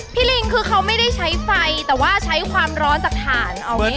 พี่ลิงค์คือเขาไม่ได้ใช้ไฟแต่ว่าใช้ความร้อนจากฐานอ่อเอางี้หรอคะ